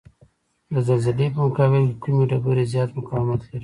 د زلزلې په مقابل کې کومې ډبرې زیات مقاومت لري؟